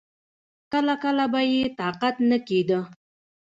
کله کله به يې طاقت نه کېده.